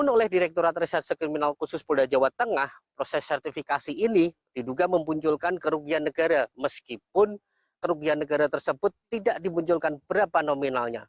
oleh direkturat reserse kriminal khusus polda jawa tengah proses sertifikasi ini diduga memunculkan kerugian negara meskipun kerugian negara tersebut tidak dimunculkan berapa nominalnya